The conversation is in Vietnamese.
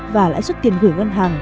và lãi suất tiền gửi ngân hàng